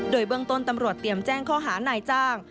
โดยเบื้องต้นตำรวจเตรียมแจ้งข้อหานายจ้าง